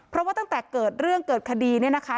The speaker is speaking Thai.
เพราะว่าตั้งแต่เกิดเรื่องเกิดคดีเนี่ยนะคะ